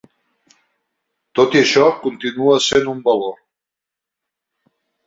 Tot i això, continua essent un valor.